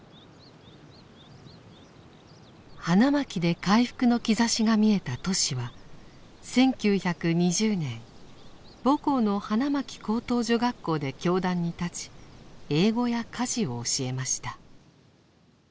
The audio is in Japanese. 花巻で回復の兆しが見えたトシは１９２０年母校の花巻高等女学校で教壇に立ち英語や家事を教えました。